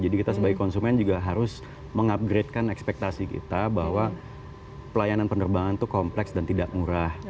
jadi kita sebagai konsumen juga harus mengupgrade kan ekspektasi kita bahwa pelayanan penerbangan itu kompleks dan tidak murah